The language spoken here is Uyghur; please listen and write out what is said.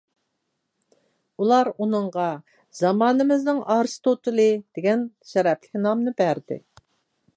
ئۇلار ئۇنىڭغا «زامانىمىزنىڭ ئارستوتىلى» دېگەن شەرەپلىك نامنى بەردى.